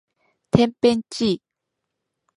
てんぺんちい